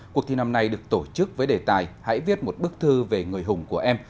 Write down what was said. cuộc thi năm nay được tổ chức với đề tài hãy viết một bức thư về người hùng của em